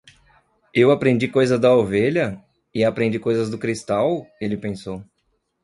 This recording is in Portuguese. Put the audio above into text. Eu aprendi coisas da ovelha? e aprendi coisas do cristal? ele pensou.